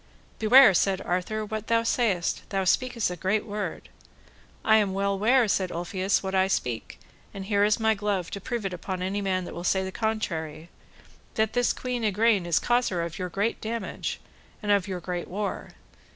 Beware, said Arthur, what thou sayest; thou speakest a great word. I am well ware, said Ulfius, what I speak, and here is my glove to prove it upon any man that will say the contrary, that this Queen Igraine is causer of your great damage, and of your great war.